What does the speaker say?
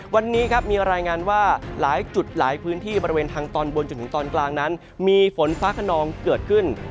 วันนี้ครับมีรายงานว่าหลายจุดหลายพื้นที่บริเวณทางตอนบนจนถึงตอนกลางนั้นมีฝนฟ้าขนองเกิดขึ้น